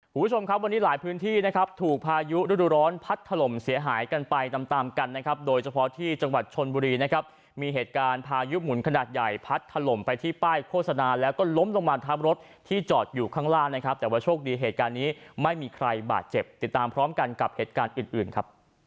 คุณผู้ชมครับวันนี้หลายพื้นที่นะครับถูกพายุฤดูร้อนพัดถล่มเสียหายกันไปตามตามกันนะครับโดยเฉพาะที่จังหวัดชนบุรีนะครับมีเหตุการณ์พายุหมุนขนาดใหญ่พัดถล่มไปที่ป้ายโฆษณาแล้วก็ล้มลงมาทับรถที่จอดอยู่ข้างล่างนะครับแต่ว่าโชคดีเหตุการณ์นี้ไม่มีใครบาดเจ็บติดตามพร้อมกันกับเหตุการณ์อื่นอื่นครับ